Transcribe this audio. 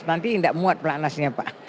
nanti tidak muat pelak nasnya pak